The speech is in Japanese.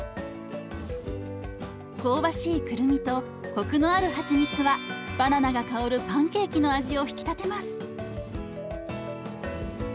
香ばしいくるみとコクのあるはちみつはバナナが香るパンケーキの味を引き立てます。